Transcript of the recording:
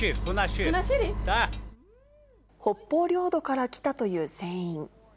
北方領土から来たという船員。